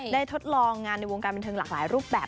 ทดลองงานในวงการบันเทิงหลากหลายรูปแบบ